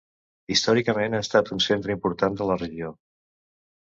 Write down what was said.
Històricament ha estat un centre important de la regió.